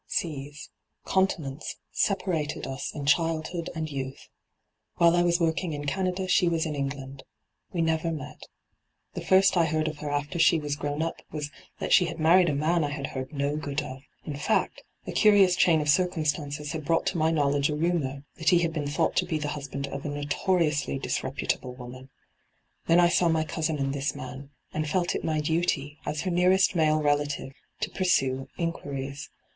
Seaa, continents, separated us in childhood and youth. While I was working in Canada she was in England. We never met. The first I heard of her after she was grown up was that she had married a man I had heard no good of. In fact, a curious chain of circum stances had brought to my knowledge a rumour that he had been thought to be the husband of a notoriously disreputable woman. Then I saw my cousin and this man, and felt it my duty, as her nearest male relative, to pursue inquiries.